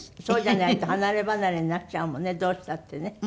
そうじゃないと離ればなれになっちゃうもんねどうしたってね。